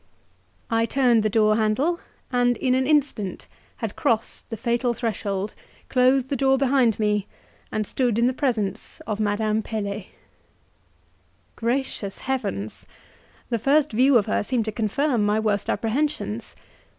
I turned the door handle, and in an instant had crossed the fatal threshold, closed the door behind me, and stood in the presence of Madame Pelet. Gracious heavens! The first view of her seemed to confirm my worst apprehensions.